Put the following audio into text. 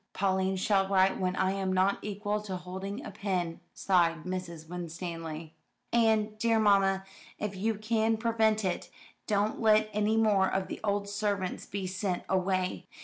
"Pauline shall write when I am not equal to holding a pen," sighed Mrs. Winstanley. "And, dear mamma, if you can prevent it, don't let any more of the old servants be sent away.